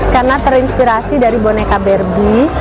karena terinspirasi dari boneka berbi